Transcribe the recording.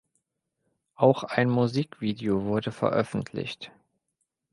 Auch ein Musikvideo wurde veröffentlicht.